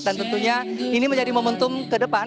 dan tentunya ini menjadi momentum ke depan